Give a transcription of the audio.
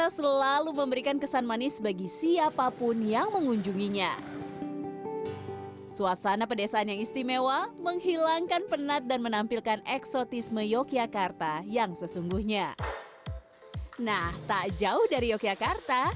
selalu istimewa di hati bagi sebagian orang itulah yogyakarta